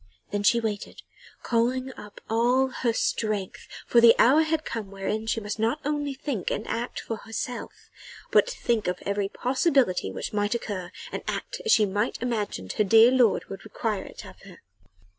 Then she waited, calling up all her strength for the hour had come wherein she must not only think and act for herself, but think of every possibility which might occur, and act as she imagined her dear lord would require it of her.